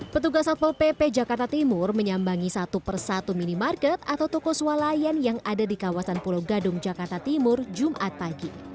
petugas satpol pp jakarta timur menyambangi satu persatu minimarket atau toko swalayan yang ada di kawasan pulau gadung jakarta timur jumat pagi